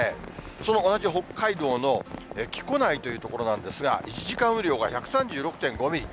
その同じ北海道の木古内という所なんですが、１時間雨量が１３６．５ミリ。